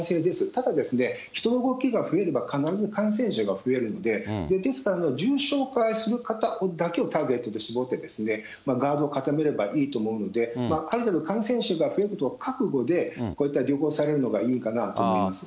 ただ、人の動きが増えれば必ず感染者が増えるんで、ですから重症化する方だけをターゲットにして、ガードを固めればいいと思うので、ある程度、感染者が増えるのが覚悟で、こういった旅行をされるのがいいかなと思います。